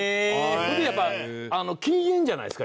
それでやっぱ禁煙じゃないですか